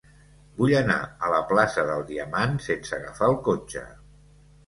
Vull anar a la plaça del Diamant sense agafar el cotxe.